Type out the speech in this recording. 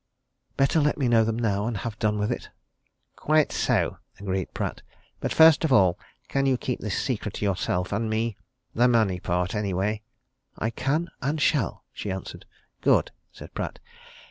"Better let me know them now and have done with it." "Quite so," agreed Pratt. "But first of all can you keep this secret to yourself and me? The money part, any way?" "I can and shall," she answered. "Good!" said Pratt.